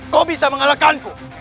kau bisa mengalahkanku